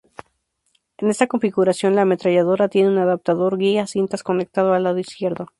En esta configuración la ametralladora tiene un adaptador guía-cintas conectado al lado izquierdo.